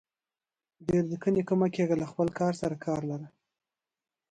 ډير نيکه نيکه مه کيږه خپل کار سره کار لره.